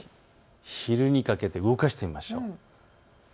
昼にかけて動かしてみましょう。